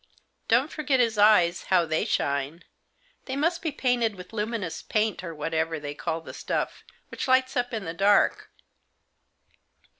" Don't forget his eyes, how they shine. They must be painted with luminous paint, or whatever they call the stuff, which lights up in the dark.